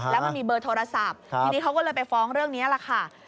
แล้วมันมีเบอร์โทรศัพท์ทีนี้เขาก็เลยไปฟ้องเรื่องนี้แหละค่ะ